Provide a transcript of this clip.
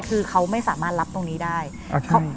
คือเขาไม่สามารถรับตรงนี้ได้